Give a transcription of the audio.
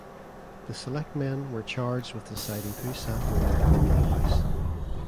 The selectmen were charged with deciding who sat where in the meetinghouse.